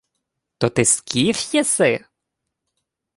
— То ти скіф єси?